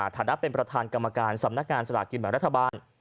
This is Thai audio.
ฐานะเป็นประธานกรรมการสำนักงานสลากกินแบ่งรัฐบาล